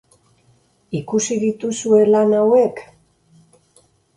Ikusi dituzue lan hauek?